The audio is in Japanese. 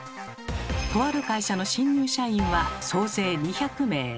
とある会社の新入社員は総勢２００名。